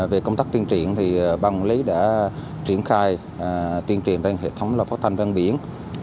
về công tác tiên triển thì bang quản lý đã triển khai tiên triển trên hệ thống lò phó thanh văn biển